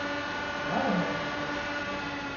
Varama līta!